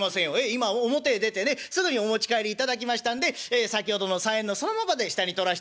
今表へ出てねすぐにお持ち帰りいただきましたんで先ほどの３円のそのままで下に取らせていただきます」。